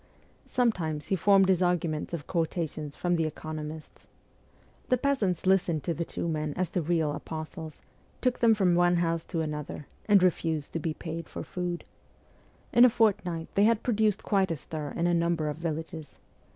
Sometimes he formed his arguments of quotations from the econo mists. The peasants listened to the two men as to real apostles, took them from one house to another, and refused to be paid for food. In a fortnight they had produced quite a stir in a number of villages.